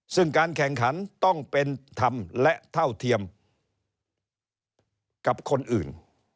ซึ่งการแข่งขันต้องเป็นธรรมและเท่าเทียมกับคนอื่น